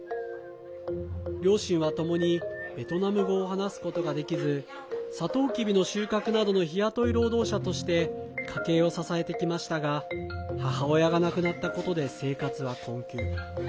両親は、ともにベトナム語を話すことができずサトウキビの収穫などの日雇い労働者として家計を支えてきましたが母親が亡くなったことで生活は困窮。